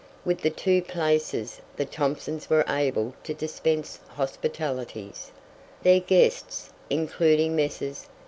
With the two places the Thomsons were able to dispense hospitalities, their guests including Messrs.